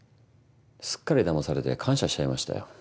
すっかりだまされて感謝しちゃいましたよ。